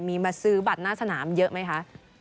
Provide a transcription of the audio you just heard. มีมาซื้อบัตรหน้าสนามเยอะไหมคะ